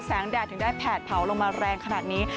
แดดถึงได้แผดเผาลงมาแรงขนาดนี้